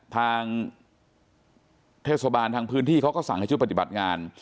ทางเทศบาลทางพื้นที่เขาก็สั่งให้ชุดปฏิบัติงาน